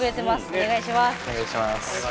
お願いします。